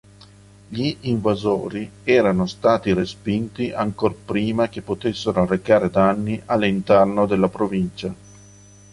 Gli invasori erano stati respinti ancor prima che potessero arrecare danni all'interno della provincia.